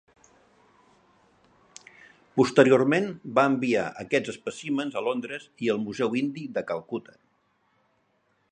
Porteriorment, va enviar aquests espècimens a Londres i al Museu Indi de Calcuta.